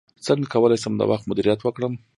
څنګه کولی شم د وخت مدیریت وکړم